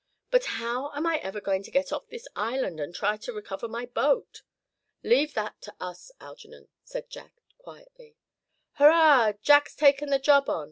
But how am I ever to get off this island, and try to recover my boat?" "Leave that to us, Algernon," said Jack, quietly. "Hurrah! Jack's taken the job on!"